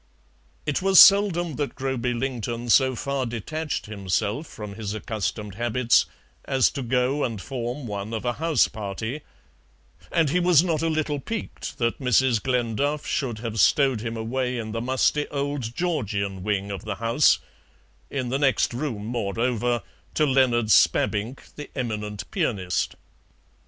It was seldom that Groby Lington so far detached himself from his accustomed habits as to go and form one of a house party, and he was not a little piqued that Mrs. Glenduff should have stowed him away in the musty old Georgian wing of the house, in the next room, moreover, to Leonard Spabbink, the eminent pianist.